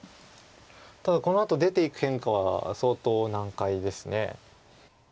ただこのあと出ていく変化は相当難解です。